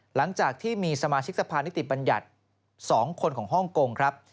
หลังจากที่มีสมาชิกสภานิติบัญญัติ๒คนของฮ่องกงครับ